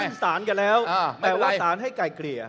สารกันแล้วแต่ว่าสารให้ไก่เกลี่ย